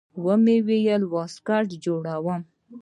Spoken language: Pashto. ومې ويل واسکټ جوړوم.